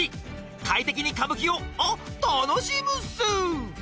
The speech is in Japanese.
快適に歌舞伎をあっ楽しむッス！